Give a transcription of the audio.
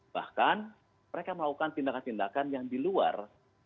bahkan mereka melakukan tindakan tindakan yang di luar